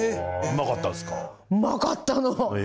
うまかったの。